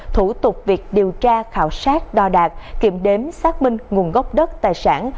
thủ tục việc điều tra khảo sát đo đạt kiểm đếm xác minh nguồn gốc đất tài sản